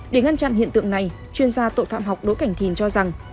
để ngăn chặn hiện tượng này chuyên gia tội phạm học đối cảnh thìn cho rằng